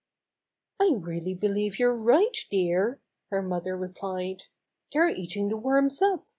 "I really believe you're right, dear," her mother replied. "They're eating the worms up.